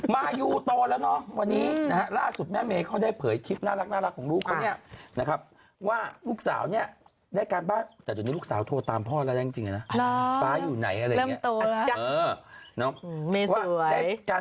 มายูโตแล้วเนาะวันนี้นะฮะล่าสุดแม่เมย์เขาได้เผยคลิปน่ารักของลูกเขาเนี่ยนะครับว่าลูกสาวเนี่ยได้การบ้านแต่เดี๋ยวนี้ลูกสาวโทรตามพ่อแล้วนะจริงนะฟ้าอยู่ไหนอะไรอย่างนี้